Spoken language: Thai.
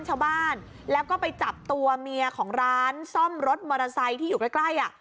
ชาวบ้านแล้วก็ไปจับตัวเมียของร้านซ่อมรถมอเตอร์ไซค์ที่อยู่ใกล้ใกล้อ่ะ